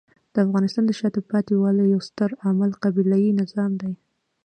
د افغانستان د شاته پاتې والي یو ستر عامل قبیلې نظام دی.